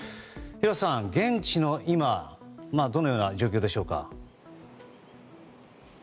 廣瀬さん、現地は今どのような状況でしょうか。